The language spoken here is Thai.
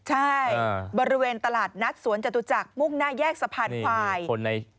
ใช่บริเวณตลาดนัดสวนจตุจักรมุ่งหน้าแยกสะพานควาย